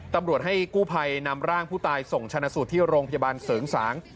ตำรวจให้กู้ภัยนำร่างผู้ตายส่งชนะสูตรที่โรงพยาบาลเสริงสาง